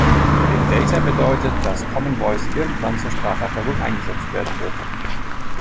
Big Data bedeutet, dass Common Voice irgendwann zur Strafverfolgung eingesetzt werden wird.